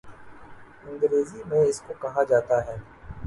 انگریزی میں اس کو کہا جاتا ہے